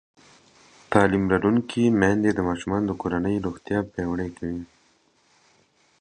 تعلیم لرونکې میندې د ماشومانو د کورنۍ روغتیا پیاوړې کوي.